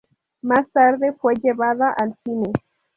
Más tarde fue llevada al cine.